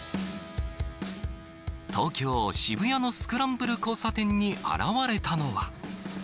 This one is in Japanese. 東京・渋谷のスクランブル交差点に現れたのは。